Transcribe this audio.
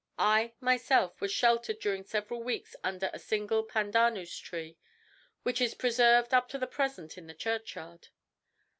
I, myself, was sheltered during several weeks under the single pandanus tree which is preserved up to the present in the churchyard.